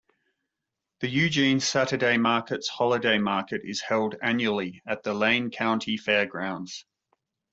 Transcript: The Eugene Saturday Market's Holiday Market is held annually at the Lane County Fairgrounds.